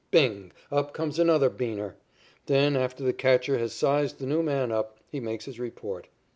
Bing! Up comes another "beaner." Then, after the catcher has sized the new man up, he makes his report.